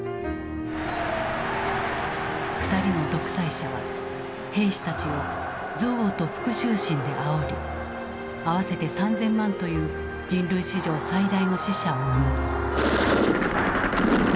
２人の独裁者は兵士たちを「憎悪」と「復讐心」であおり合わせて３０００万という人類史上最大の死者を生む。